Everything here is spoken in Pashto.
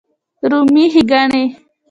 رومي ښېګڼې